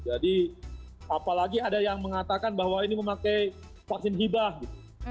jadi apalagi ada yang mengatakan bahwa ini memakai vaksin hibah gitu